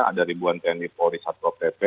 ada ribuan tni polri satu opp